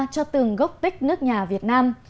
cho từng gốc tích nước nhà việt nam